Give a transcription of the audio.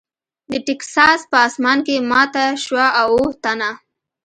د ټیکساس په اسمان کې ماته شوه او اووه تنه .